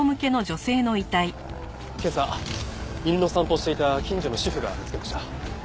今朝犬の散歩をしていた近所の主婦が見つけました。